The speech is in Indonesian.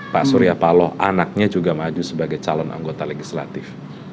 pak surya paloh anaknya juga maju sebagai calon anggota legislatif